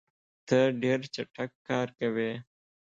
ته ډېر چټک کار کوې.